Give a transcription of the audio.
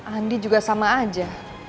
andi juga sama aja